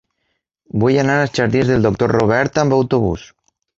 Vull anar als jardins del Doctor Robert amb autobús.